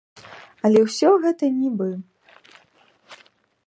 Але ўсё гэта нібы.